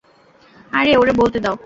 আরে, ওরে বলতে দাও।